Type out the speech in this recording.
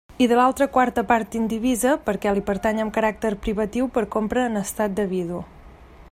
I de l'altra quarta part indivisa, perquè li pertany amb caràcter privatiu per compra en estat de viudo.